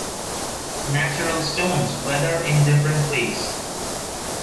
Natural stones weather in different ways.